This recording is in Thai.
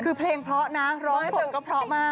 คือเพลงเพราะนะร้องบทก็เพราะมาก